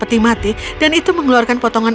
mati mati dan itu mengeluarkan potongan